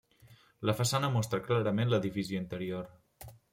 La façana mostra clarament la divisió interior.